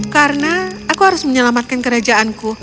karena aku harus menyelamatkan kerajaanku